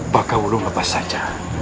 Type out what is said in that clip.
bakaulung lepas saja